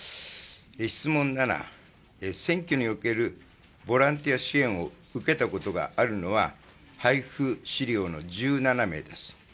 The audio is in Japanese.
質問７、選挙におけるボランティア支援を受けたことがあるのは配付資料の１７名です。